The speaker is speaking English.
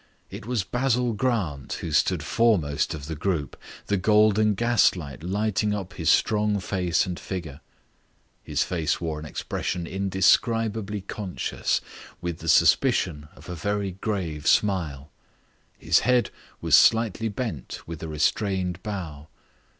It was Basil Grant who stood foremost of the group, the golden gaslight lighting up his strong face and figure. His face wore an expression indescribably conscious, with the suspicion of a very grave smile. His head was slightly bent with a restrained bow.